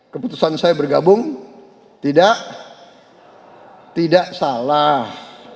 keputusan saya bergabung tidak tidak salah